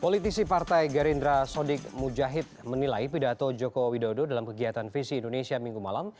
politisi partai gerindra sodik mujahid menilai pidato jokowi dodo dalam kegiatan visi indonesia minggu malam